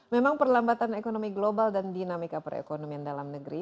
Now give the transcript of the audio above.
memang perlambatan ekonomi global dan dinamika perekonomian dalam negeri